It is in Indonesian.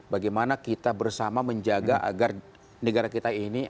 bagaimana kita bersama menjaga agar negara kita ini